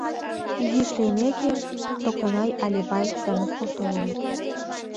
Изиш лиймеке, Токтанай, Алибай да Носков толыт.